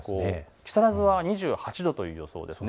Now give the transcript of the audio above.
木更津は２８度という予想です。